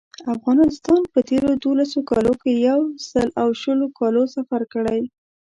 افغانستان په تېرو دولسو کالو کې د یو سل او شلو کالو سفر کړی.